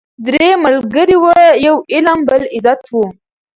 درې ملګري وه یو علم بل عزت وو